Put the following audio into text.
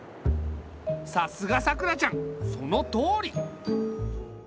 さすがさくらちゃんそのとおり！